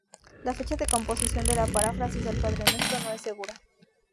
La fecha de composición de la paráfrasis del Padre nuestro no es segura.